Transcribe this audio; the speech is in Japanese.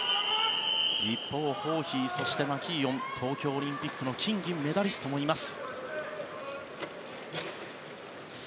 一方ホーヒー、マキーオンという東京オリンピックの金、銀メダリストもいます。